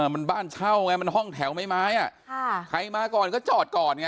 มันบ้านเช่าไงมันห้องแถวไม้ใครมาก่อนก็จอดก่อนไง